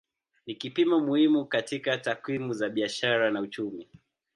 Ni kipimo muhimu katika takwimu za biashara na uchumi.